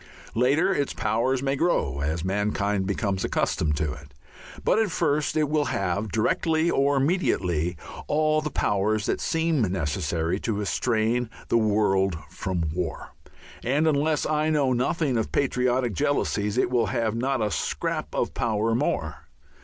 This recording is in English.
Later its powers may grow as mankind becomes accustomed to it. But at first it will have, directly or mediately, all the powers that seem necessary to restrain the world from war and unless I know nothing of patriotic jealousies it will have not a scrap of power more.